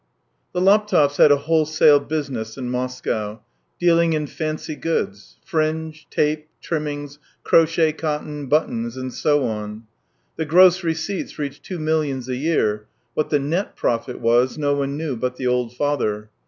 The Laptevs had a wholesale business in Moscow, dealing in fancy goods: fringe, tape, trimmings, crochet cotton, buttons, and so on. The gross receipts reached two millions a year; what the net profit was, no one knew but the old father.